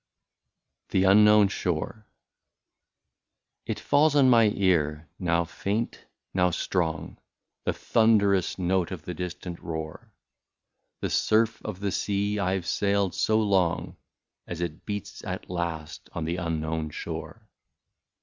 203 THE UNKNOWN SHORE. It falls on my ear, now faint, now strong, The thunderous note of the distant roar, The surf of the sea I have sailed so long. As it beats at last on the unknown shore.